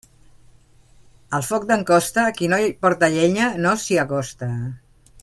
Al foc d'en Costa, qui no hi porta llenya, no s'hi acosta.